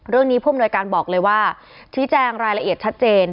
ผู้อำนวยการบอกเลยว่าชี้แจงรายละเอียดชัดเจน